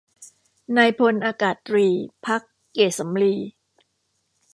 นายพลอากาศตรี ภักดิ์เกษสำลี